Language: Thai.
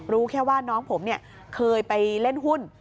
รู้แค่ว่าน้องผมเคยไปเล่นหุ้น